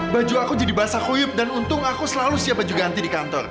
baju aku jadi basah kuyuk dan untung aku selalu siap baju ganti di kantor